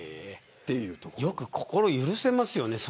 よく心許せますよね。